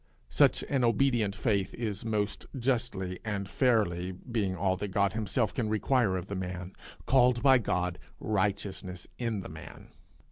Such an obedient faith is most justly and fairly, being all that God himself can require of the man, called by God righteousness in the man.